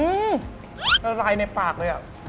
ละลายในปากเลยอ่ะ